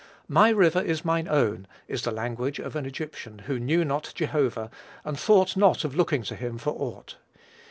"My river is mine own," is the language of an Egyptian who knew not Jehovah, and thought not of looking to him for aught.